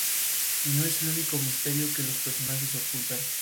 El siguiente diagrama muestra a las localidades en un radio de de McCormick.